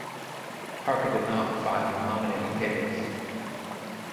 Parker did not file nominating papers.